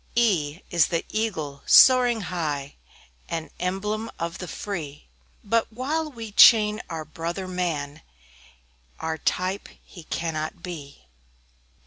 E E is the Eagle, soaring high; An emblem of the free; But while we chain our brother man, Our type he cannot be.